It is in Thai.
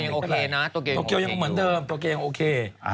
โอเคนะโตเกียวยังเหมือนเดิมโตเกียวยังโอเค